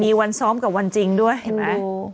มีวันซ้อมกับวันจริงด้วยเห็นไหม